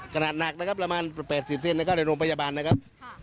ขนาดหนักนะครับประมาณ๘๐เซ็นต์แล้วก็ในโรงพยาบาลนะครับ